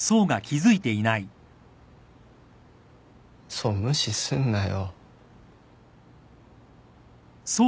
想無視すんなよ。